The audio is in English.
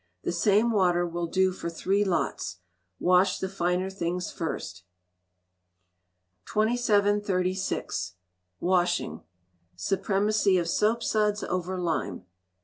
The same water will do for three lots. Wash the finer things first. 2736. Washing. (Supremacy of Soapsuds over Lime).